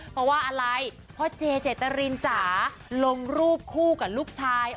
เพราะว่าอะไรพ่อเจเจตรินจ๋าลงรูปคู่กับลูกชาย